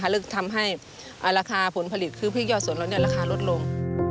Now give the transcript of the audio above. และทำให้ราคาผลผลิตคือพริกยอดสนเราราคาลดลง